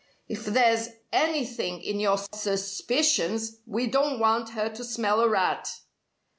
If there's anything in your suspicions, we don't want her to smell a rat."